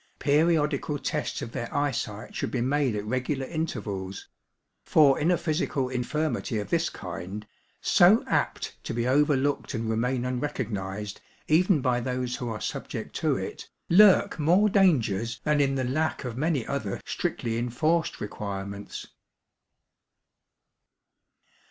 Periodical tests of their eyesight should be made at regular intervals; for in a physical infirmity of this kind, so apt to be overlooked and remain unrecognised even by those who are subject to it, lurk more dangers than in the lack of many other strictly enforced requirements.